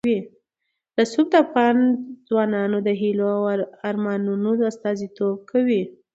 رسوب د افغان ځوانانو د هیلو او ارمانونو استازیتوب کوي.